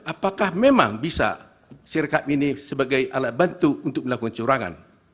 apakah memang bisa sirkap ini sebagai alat bantu untuk melakukan curangan